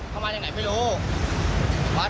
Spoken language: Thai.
เหมือนเขาไม่เลวออกมา